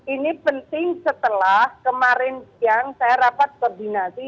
ini penting setelah kemarin siang saya rapat koordinasi